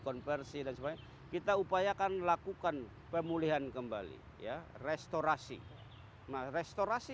konversi dan sebagainya kita upayakan lakukan pemulihan kembali ya restorasi nah restorasi